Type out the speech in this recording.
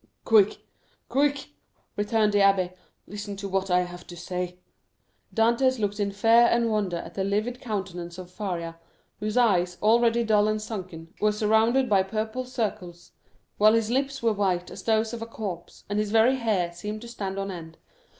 "Quick! quick!" returned the abbé, "listen to what I have to say." Dantès looked in fear and wonder at the livid countenance of Faria, whose eyes, already dull and sunken, were surrounded by purple circles, while his lips were white as those of a corpse, and his very hair seemed to stand on end.